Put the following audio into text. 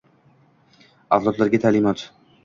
Avlodlarga ta’limot